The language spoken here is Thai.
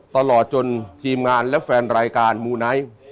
ตลอดจนทีมงานและแฟนรายการมูไนท์